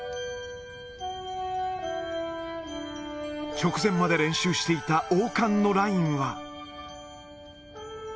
直前まで練習していた王冠のラインは。